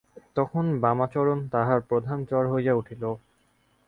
তখন বামাচরণ তাহার প্রধান চর হইয়া উঠিল।